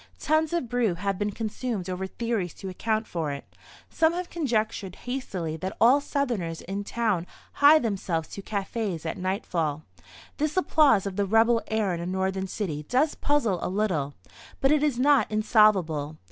Tons of brew have been consumed over theories to account for it. Some have conjectured hastily that all Southerners in town hie themselves to cafés at nightfall. This applause of the "rebel" air in a Northern city does puzzle a little; but it is not insolvable.